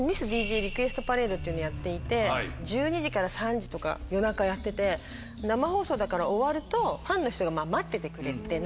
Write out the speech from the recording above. っていうのをやっていて１２時から３時とか夜中やってて生放送だから終わるとファンの人が待っててくれて。